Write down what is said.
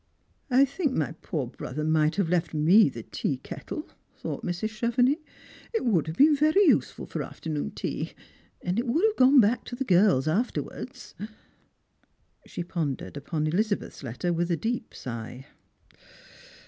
" I think my poor brother might have left me the tea kettle," thought Mrs. Chevenix . "it would have been very useful for afternoon tea, and it would have gone back to the girls after wards." Strangers and Filgrims. 239 She pondered upon Elizabeth's letter with a deep sigh.